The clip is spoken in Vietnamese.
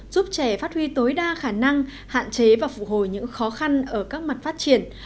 giúp trẻ phát huy tối đa khả năng hạn chế và phục hồi những khó khăn ở các mặt phát triển